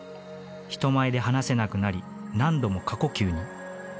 人前で話せなくなり何度も過呼吸に。